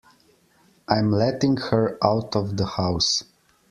I'm letting her out of the house.